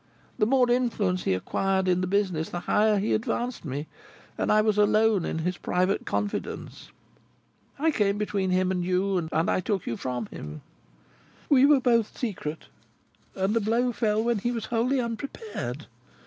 The more influence he acquired in the business, the higher he advanced me, and I was alone in his private confidence. I came between him and you, and I took you from him. We were both secret, and the blow fell when he was wholly unprepared.